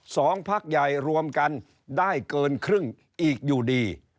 พักใหญ่รวมกันได้เกินครึ่งอีกอยู่ดี